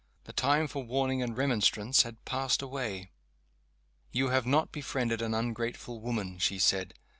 The time for warning and remonstrance had passed away. "You have not befriended an ungrateful woman," she said.